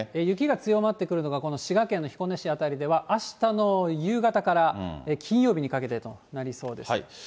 雪が強まってくるのが、この滋賀県の彦根市辺りでは、あしたの夕方から金曜日にかけてとなりそうです。